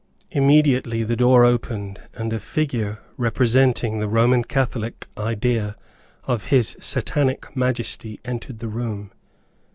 Immediately the door opened, and a figure representing the Roman Catholic idea of his Satanic Majesty entered the room.